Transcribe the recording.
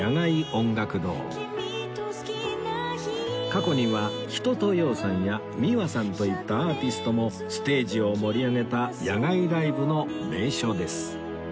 過去には一青窈さんや ｍｉｗａ さんといったアーティストもステージを盛り上げた野外ライブの名所です